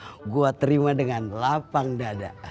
lima juta gua terima dengan lapang dada